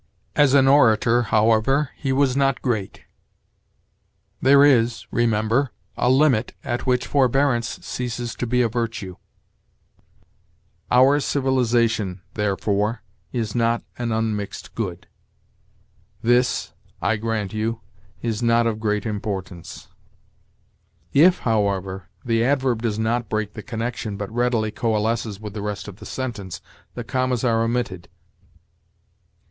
"As an orator, however, he was not great." "There is, remember, a limit at which forbearance ceases to be a virtue." "Our civilization, therefore, is not an unmixed good." "This, I grant you, is not of great importance." If, however, the adverb does not break the connection, but readily coalesces with the rest of the sentence, the commas are omitted.